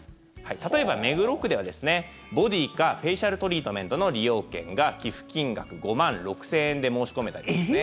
例えば目黒区ではボディーかフェイシャルトリートメントの利用券が寄付金額５万６０００円で申し込めたりとかですね。